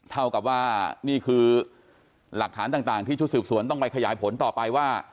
เท่ากับว่านี่คือหลักฐานต่างที่ชุดสืบสวนต้องไปขยายผลต่อไปว่า